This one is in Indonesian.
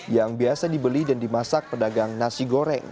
yang biasa dibeli dan dimasak pedagang nasi goreng